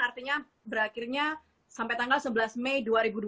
artinya berakhirnya sampai tanggal sebelas mei dua ribu dua puluh